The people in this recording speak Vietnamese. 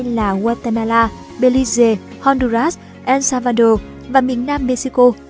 đây là guatemala belize honduras el salvador và miền nam mexico